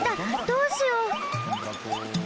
どうしよう！？